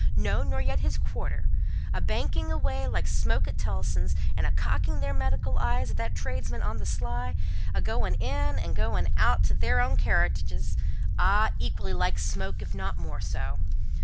no, nor yet his quarter a banking away like smoke at Tellson's, and a cocking their medical eyes at that tradesman on the sly, a going in and going out to their own carriages ah! equally like smoke, if not more so.